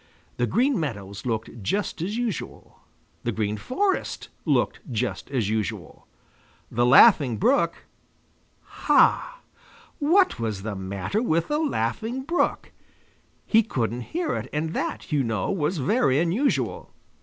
The Green Meadows looked just as usual. The Green Forest looked just as usual. The Laughing Brook ha! What was the matter with the Laughing Brook? He couldn't hear it and that, you know, was very unusual.